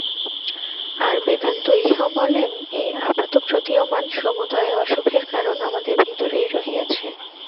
আর বেদান্ত ইহাও বলেন, এই আপাতপ্রতীয়মান সমুদয় অশুভের কারণ আমাদের ভিতরেই রহিয়াছে।